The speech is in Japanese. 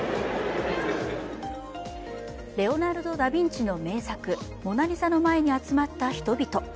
レオナルド・ダ・ヴィンチの名作「モナ・リザ」の前に集まった人々。